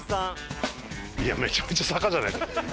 いやめちゃくちゃ坂じゃねえか。